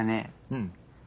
うん。